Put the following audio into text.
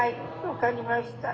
分かりました。